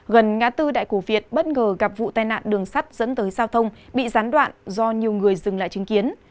gần ngã tư đại cổ việt bất ngờ gặp vụ tai nạn đường sắt dẫn tới giao thông bị gián đoạn do nhiều người dừng lại chứng kiến